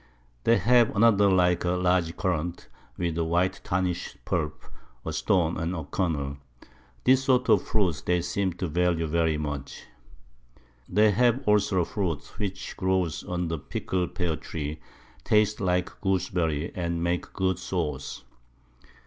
They have another like a large Currant, with a white tartish Pulp, a Stone and a Kernel; this sort of Fruit they seem to value much. They have also a Fruit which grows on the prickle Pear tree, tastes like Gooseberries, and makes good Sawce.